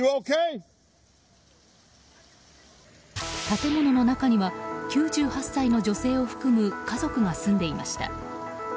建物の中には９８歳の女性を含む家族が住んでいました。